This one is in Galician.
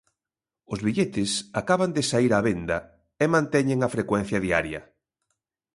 Os billetes acaban de saír á venda e manteñen a frecuencia diaria.